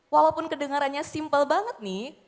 walaupun kedengarannya simple banget nih